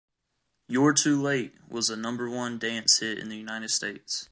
"You're Too Late" was a number-one dance hit in the United States.